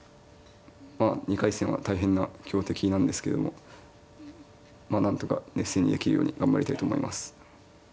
２回戦は大変な強敵なんですけどもまあなんとか熱戦にできるように頑張りたいと思います。